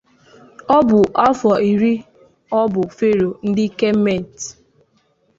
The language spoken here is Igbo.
O bu afo iri o bu pharaoh ndi Kemeti.